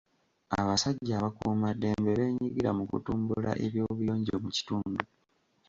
Abasajja abakuumaddembe beenyigira mu kutumbula eby'obuyonjo mu kitundu.